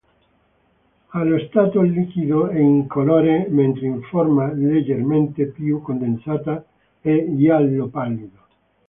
Allo stato liquido è incolore mentre in forma leggermente più condensata è giallo pallido.